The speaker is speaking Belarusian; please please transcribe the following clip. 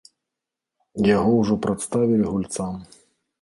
Яго ўжо прадставілі гульцам.